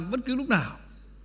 bất cứ lúc nào